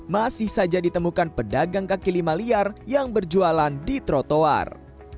masih saja ditemukan pedagang kaki lima liar yang berjualan di trotoar